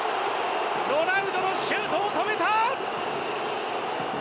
ロナウドのシュートを止めた！